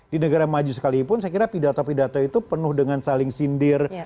di negara maju sekalipun saya kira pidato pidato itu penuh dengan saling sindir